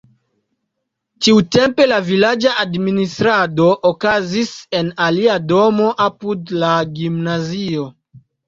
Tiutempe la vilaĝa administrado okazis en alia domo apud la gimnazio.